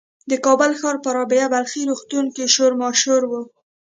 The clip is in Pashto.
د کابل ښار په رابعه بلخي روغتون کې شور ماشور و.